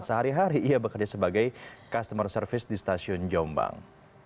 sehari hari ia bekerja sebagai customer service di stasiun jombang